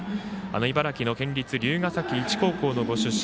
茨城の県立竜ヶ崎一高校のご出身。